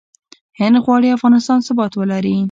هند غواړي افغانستان ثبات ولري.